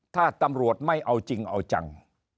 ถ้าตำรวจไม่เอาจริงเอาจัง